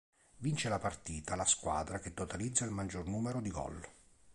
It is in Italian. Vince la partita la squadra che totalizza il maggior numero di goal.